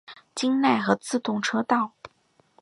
京奈和自动车道。